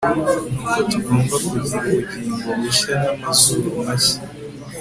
ni uko tugomba kugira ubugingo bushya n'amazuru mashya